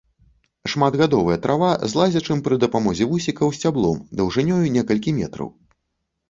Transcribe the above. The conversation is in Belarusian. Шматгадовая трава з лазячым пры дапамозе вусікаў сцяблом даўжынёю некалькі метраў.